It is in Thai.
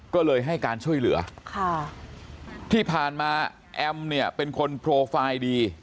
ก็เลยให้การช่วยเหลือค่ะที่ผ่านมาแอมเนี่ยเป็นคนโปรไฟล์ดี